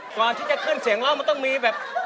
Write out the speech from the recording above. กว่าที่จะขึ้นเสียงเรามันต้องมีแบบ